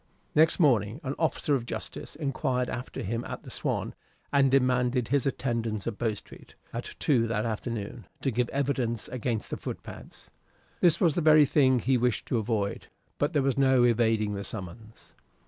Next morning an officer of justice inquired after him at the "Swan," and demanded his attendance at Bow Street, at two that afternoon, to give evidence against the footpads. This was the very thing he wished to avoid; but there was no evading the summons.